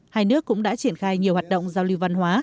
hai nước cũng đã triển khai nhiều hoạt động giao lưu văn hóa